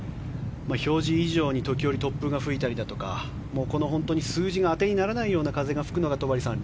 表示以上に時折突風が吹いたりだとかこの数字が当てにならないような風が吹くのが戸張さん